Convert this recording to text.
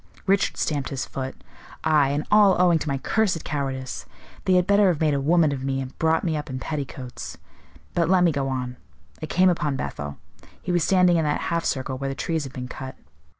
Richard stamped his foot. "Aye; and all owing to my cursed cowardice. They had better have made a woman of me, and brought me up in petticoats. But let me go on. I came upon Bethel. He was standing in that half circle where the trees have been cut.